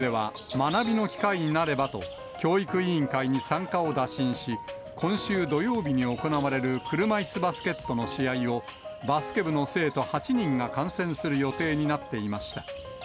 こちらの中学校では、学びの機会になればと、教育委員会に参加を打診し、今週土曜日に行われる車いすバスケットの試合を、バスケ部の生徒８人が観戦する予定になっていました。